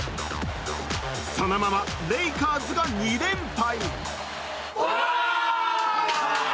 そのままレイカーズが２連敗。